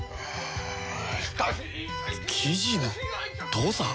父さん？